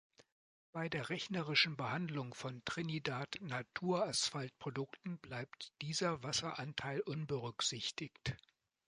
Bei der rechnerischen Behandlung von Trinidad-Naturasphaltprodukten bleibt dieser Wasseranteil unberücksichtigt.